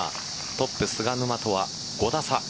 トップ・菅沼とは５打差。